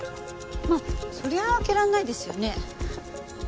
まあそりゃあ開けられないですよね。